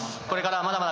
これからも。